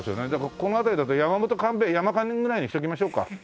この辺りだと山本勘べえ山勘ぐらいにしときましょうか。